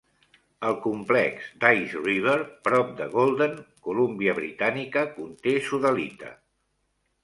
El complex d'Ice River, prop de Golden, Colúmbia britànica, conté sodalita.